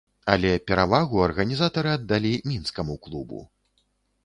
Але перавагу арганізатары аддалі мінскаму клубу.